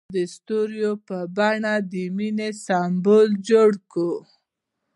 هغه د ستوري په بڼه د مینې سمبول جوړ کړ.